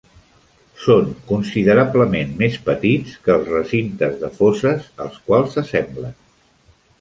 Són considerablement més petits que els recintes de fosses als quals s'assemblen.